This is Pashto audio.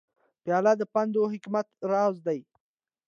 پیاله د پند و حکمت راز ده.